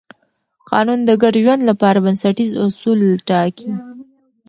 قانون د ګډ ژوند لپاره بنسټیز اصول ټاکي.